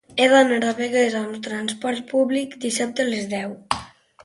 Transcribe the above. He d'anar a Begues amb trasport públic dissabte a les deu.